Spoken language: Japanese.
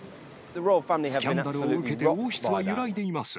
スキャンダルを受けて王室は揺らいでいます。